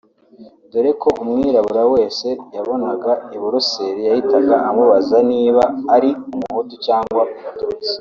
dore ko umwirabura wese yabonaga i Buruseli yahitaga amubaza niba ari Umuhutu cyangwa Umututsi